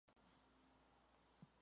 El vientre es blanco o marrón.